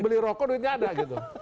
beli rokok duitnya ada gitu